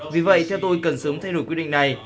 vì vậy theo tôi cần sớm thay đổi quy định này